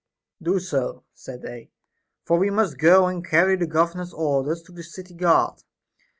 Do so, said they, for we must go and carry the governor's orders to the city guard.